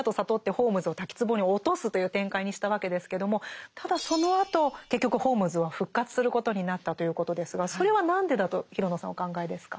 ホームズを滝つぼに落とすという展開にしたわけですけどもただそのあと結局ホームズは復活することになったということですがそれは何でだと廣野さんはお考えですか？